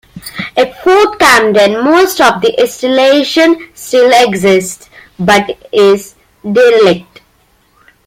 At Fort Camden most of the installation still exists but is derelict.